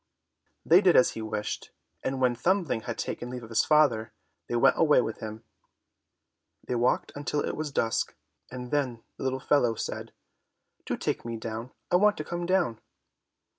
They did as he wished, and when Thumbling had taken leave of his father, they went away with him. They walked until it was dusk, and then the little fellow said, "Do take me down, I want to come down."